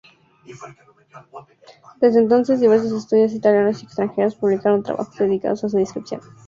Desde entonces, diversos estudiosos italianos y extranjeros publicaron trabajos dedicados a su descripción.